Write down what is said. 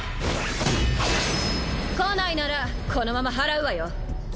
来ないならこのまま祓うわよ。